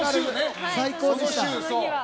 最高でした。